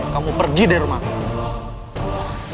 kamu pergi dari rumahku